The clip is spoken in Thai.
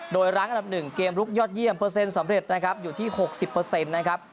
โดยรังอันดับ๑เกมลุกยอดเยี่ยมเปอร์เซ็นต์สำเร็จอยู่ที่๖๐เปอร์เซ็นต์